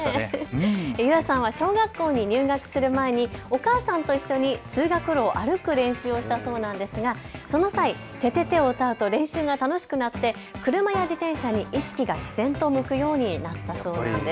ゆあさんは小学校に入学する前にお母さんと一緒に通学路を歩く練習をしたそうなんですがその際ててて！を歌うと練習が楽しくなって車や自転車に意識が自然と向くようになったそうです。